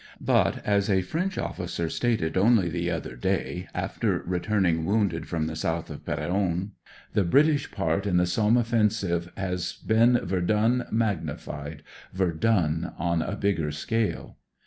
But, as a French officer stated only the other day, after retummg woimded from the south of P^'onne :" The British part in the Somme offensive has been Verdun magnified, Verdun on a bigger scale."